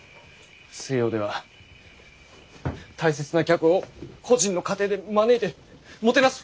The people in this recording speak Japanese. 西洋では大切な客を個人の家庭で招いてもてなす風習があるんだ。